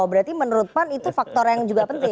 oh berarti menurut pan itu faktor yang juga penting